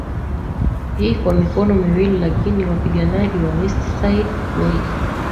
hii kwa mikono miwili lakini wapiganaji wa West Side Boys